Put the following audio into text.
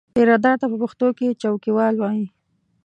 پیرهدار ته په پښتو کې څوکیوال وایي.